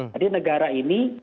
jadi negara ini